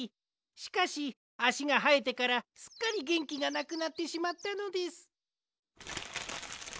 しかしあしがはえてからすっかりげんきがなくなってしまったのです。